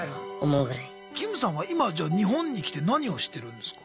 キムさんは今じゃあ日本に来て何をしてるんですか？